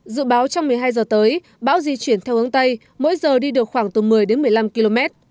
dự báo trong một mươi hai giờ tới bão di chuyển theo hướng tây mỗi giờ đi được khoảng từ một mươi đến một mươi năm km